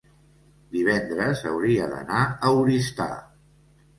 divendres hauria d'anar a Oristà.